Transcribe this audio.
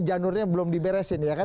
janurnya belum diberesin ya kan